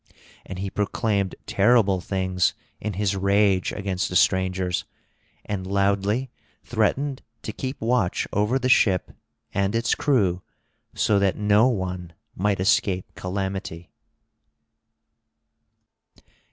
And he proclaimed terrible things in his rage against the strangers, and loudly threatened to keep watch over the ship and its crew, so that no one might escape calamity.